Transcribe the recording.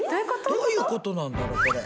どういうことなんだろこれ。